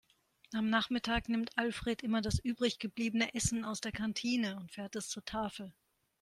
Am Nachmittag nimmt Alfred immer das übrig gebliebene Essen aus der Kantine und fährt es zur Tafel.